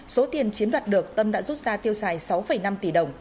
số tiền chiếm đoạt được tâm đã rút ra tiêu xài sáu năm tỷ đồng